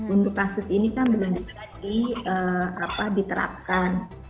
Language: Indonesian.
untuk kasus ini kan belum diberi apa diterapkan